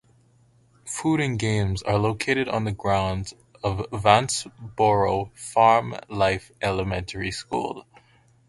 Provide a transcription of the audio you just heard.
Food and games are located on the grounds of Vanceboro Farm Life Elementary School.